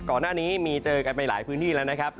ก่อนหน้านี้มีเจอกันไปหลายพื้นที่แล้วนะครับ